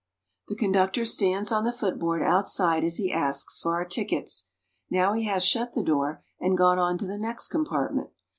The conductor stands on the footboard outside as he asks for our tickets. Now he has shut the door and gone on to the next compartment.